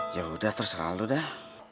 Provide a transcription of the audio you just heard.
ya udah terserah lo dah